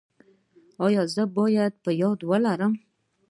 ایا زه باید په یاد ولرم؟